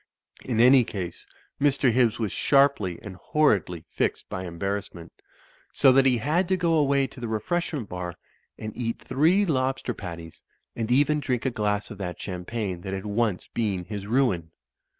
In any case, Mr. Hibbs was sharpy and hor ridly fixed by embarrassment; so that he had to go away to the refreshment bar and eat three lobster patties, and even drink a glass of that champagne that had once been his ruin.